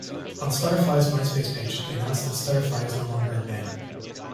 On Stutterfly's Myspace page they announced that Stutterfly is no longer a band.